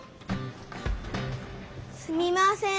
すみません。